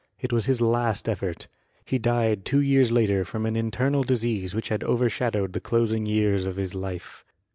It was his last effort; he died two years later from an internal disease which had over shadowed the closing years of his life.